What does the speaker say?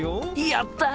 やった！